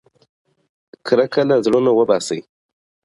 کرکه له زړونو وباسئ.